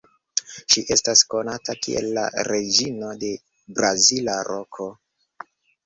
Ŝi estas konata kiel la "Reĝino de Brazila Roko".